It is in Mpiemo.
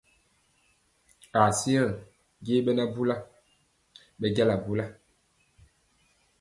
Ha siŋa je ɓɛ na bula, ɓɛ jala bula.